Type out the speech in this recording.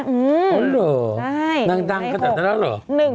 อ๋อเหรอนางดังขนาดนั้นแล้วเหรอ